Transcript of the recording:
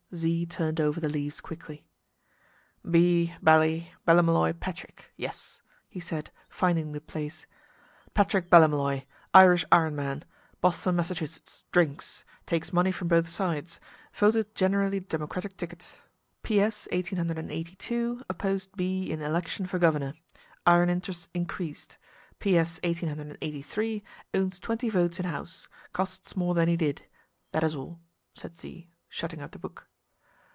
Z turned over the leaves quickly. "B Bally Ballymolloy Patrick Yes," he said, finding the place. "Patrick Ballymolloy. Irish iron man. Boston, Mass. Drinks. Takes money from both sides. Voted generally Democratic ticket. P.S. 1882, opposed B. in election for Governor. Iron interest increased. P.S. 1883, owns twenty votes in House. Costs more than he did. That is all," said Z, shutting up the book.